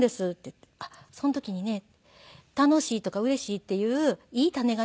「その時にね楽しいとかうれしいっていういい種がね